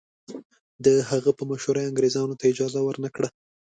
د هغه په مشوره یې انګریزانو ته اجازه ورنه کړه.